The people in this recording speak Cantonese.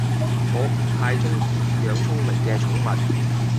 我唔太鍾意養聰明嘅寵物